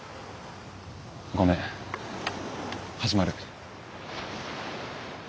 ごめん始まる。